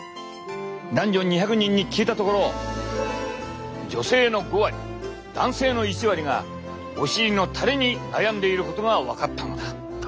男女２００人に聞いたところ女性の５割男性の１割がお尻のたれに悩んでいることが分かったのだ。